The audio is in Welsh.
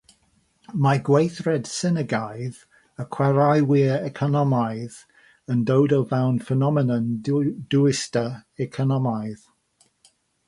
Mae gweithred synergaidd y chwaraewyr economaidd yn dod o fewn ffenomen dwyster economaidd.